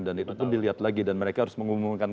dan itu pun dilihat lagi dan mereka harus mengumumkan